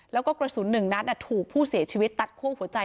แล้วก็กระสุน๑นัดถูกผู้เสียชีวิตตัดคั่วหัวใจ